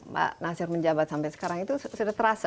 pak nasir menjabat sampai sekarang itu sudah terasa